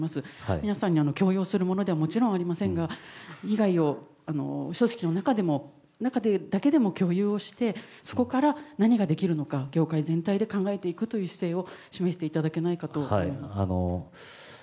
皆さんに強要するものではもちろんありませんが組織の中だけでも共有してそこから何ができるのか業界全体で考えていくという姿勢を示していただけないかと思います。